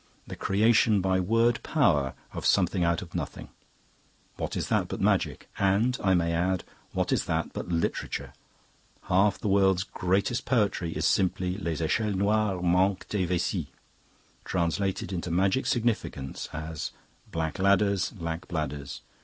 The creation by word power of something out of nothing what is that but magic? And, I may add, what is that but literature? Half the world's greatest poetry is simply 'Les echelles noires manquent de vessie,' translated into magic significance as, 'Black ladders lack bladders.